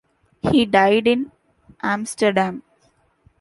He died in Amsterdam.